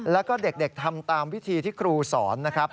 แล้วก็เด็กทำตามวิธีที่ครูสอนนะครับ